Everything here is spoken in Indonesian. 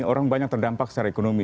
orang banyak terdampak secara ekonomi